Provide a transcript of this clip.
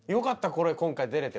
これ今回出れて。